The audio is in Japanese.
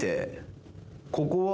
ここは？